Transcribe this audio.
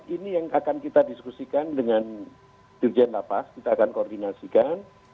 ini yang akan kita diskusikan dengan dirjen lapas kita akan koordinasikan